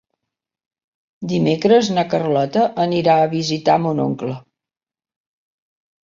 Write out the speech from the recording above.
Dimecres na Carlota anirà a visitar mon oncle.